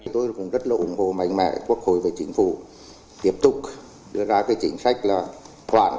tôi cũng rất là ủng hộ mạnh mẽ quốc hội và chính phủ tiếp tục đưa ra cái chính sách là khoản